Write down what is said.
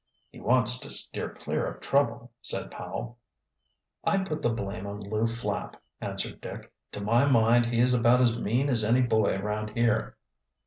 "He wants to steer clear of trouble," said Powell. "I put the blame on Lew Flapp," answered Dick. "To my mind he is about as mean as any boy around here."